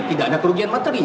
tidak ada kerugian materi